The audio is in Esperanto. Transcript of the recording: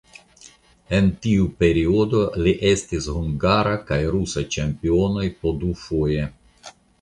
En tiu periodo li estis hungara kaj rusa ĉampionoj po dufoje.